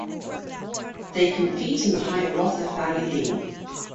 They compete in the Hiawatha Valley League.